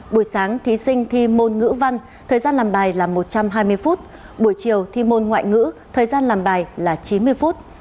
buổi sáng thí sinh thi môn ngữ văn thời gian làm bài là một trăm hai mươi phút buổi chiều thi môn ngoại ngữ thời gian làm bài là chín mươi phút